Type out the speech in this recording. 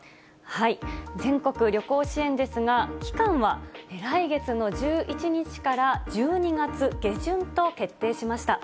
全国旅行支援ですが、期間は来月の１１日から１２月下旬と決定しました。